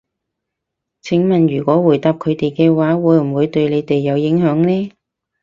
請問如果回答佢哋嘅話，會唔會對你哋有影響呢？